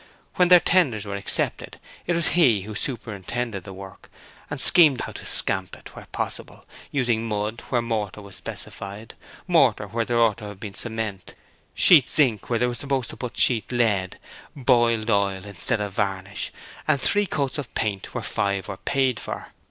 When their tenders were accepted it was he who superintended the work and schemed how to scamp it, where possible, using mud where mortar was specified, mortar where there ought to have been cement, sheet zinc where they were supposed to put sheet lead, boiled oil instead of varnish, and three coats of paint where five were paid for.